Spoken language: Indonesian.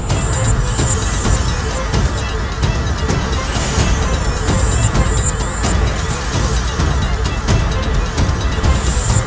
amin ya rukh alamin